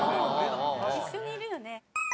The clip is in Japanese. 一緒にいるよね。